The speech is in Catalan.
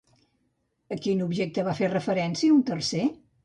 A quin objecte va fer referència un tercer?